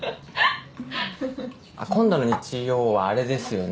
はっ今度の日曜はあれですよね